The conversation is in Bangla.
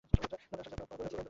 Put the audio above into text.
দলে আসা-যাওয়ার পালায় ছিলেন।